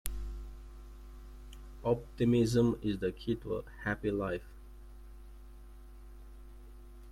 Optimism is the key to a happy life.